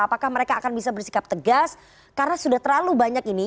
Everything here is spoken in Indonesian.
apakah mereka akan bisa bersikap tegas karena sudah terlalu banyak ini